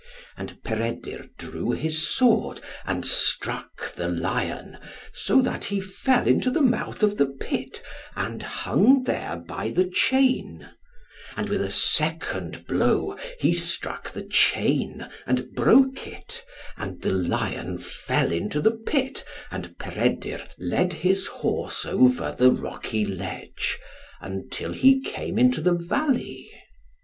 And Peredur drew his sword, and struck the lion, so that he fell into the mouth of the pit, and hung there by the chain; and with a second blow he struck the chain, and broke it, and the lion fell into the pit, and Peredur led his horse over the rocky ledge, until he came into the valley.